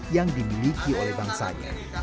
yang dimiliki sekolah multi kultural ini